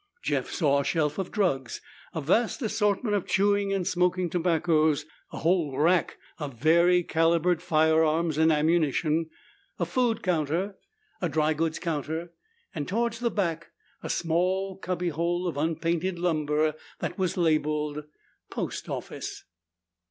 Jeff saw a shelf of drugs, a vast assortment of chewing and smoking tobaccos, a whole rack of vari calibered firearms and ammunition, a food counter, a dry goods counter, and toward the back a small cubby hole of unpainted lumber that was labeled "Post Office."